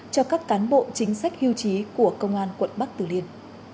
cho các cán bộ chính sách hưu trí của công an quận bắc từ liên